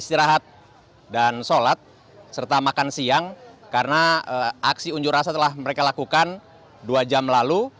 istirahat dan sholat serta makan siang karena aksi unjuk rasa telah mereka lakukan dua jam lalu